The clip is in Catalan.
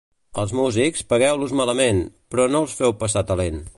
Als músics, pagueu-los malament, però no els feu passar talent.